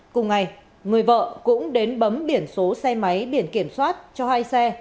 cùng ngày người vợ cũng đến bấm biển số xe máy biển kiểm soát cho hai xe